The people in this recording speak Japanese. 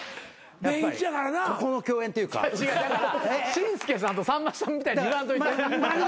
紳助さんとさんまさんみたいに言わんといて。